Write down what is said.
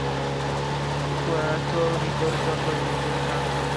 Puerto রিকোর জলবায়ু মৃদু ক্রান্তীয় ধরনের।